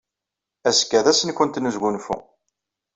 Azekka d ass-nwent n wesgunfu.